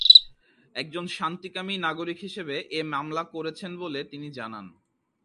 একজন শান্তিকামী নাগরিক হিসেবে এ মামলা করেছেন বলে তিনি জানান।